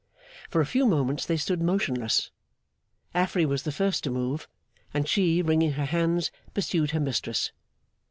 For a few moments they stood motionless. Affery was the first to move, and she, wringing her hands, pursued her mistress.